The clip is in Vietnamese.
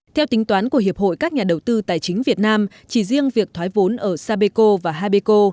theo tính toán của hiệp hội các nhà đầu tư tài chính việt nam chỉ riêng việc thoái vốn ở sapeco và haibeco